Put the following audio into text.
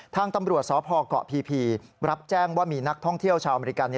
ทางตำรวจสพเกาะพีรับแจ้งว่ามีนักท่องเที่ยวชาวอเมริกัน